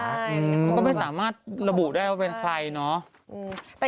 มันก็ไม่สามารถระบุได้ว่าเป็นใครเนาะ